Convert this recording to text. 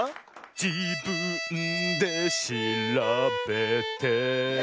「じぶんでしらべて」